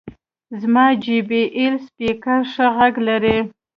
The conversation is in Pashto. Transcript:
زما جې بي ایل سپیکر ښه غږ لري.